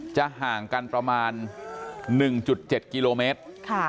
ห่างกันประมาณ๑๗กิโลเมตร